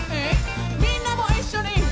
みんなも一緒に！